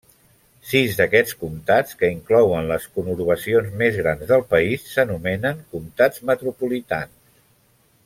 Sis d'aquests comtats, que inclouen les conurbacions més grans del país, s'anomenen comtats metropolitans.